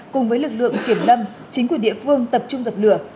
cùng với lực lượng kiểm lâm chính quyền địa phương tập trung dập lửa